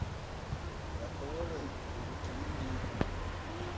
yakobo we, ibuka ibi ngibi,